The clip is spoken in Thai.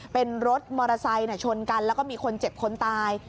เป็นรถมอเตอร์ไซค์ชนกันแล้วก็มีคนเจ็บคนตาย